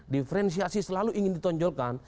diferensiasi selalu ingin ditonjolkan